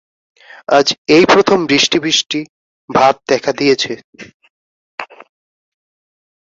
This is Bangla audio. আজ এই প্রথম বৃষ্টি-বৃষ্টি ভাব দেখা দিয়েছে।